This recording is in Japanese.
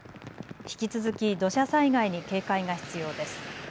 引き続き土砂災害に警戒が必要です。